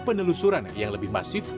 penelusuran yang lebih mahal